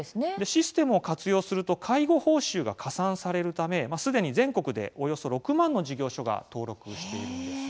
システムを活用すると介護報酬が加算されるためすでに全国でおよそ６万の事業所が登録しているんです。